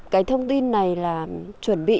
cái thông tin này là chuẩn bị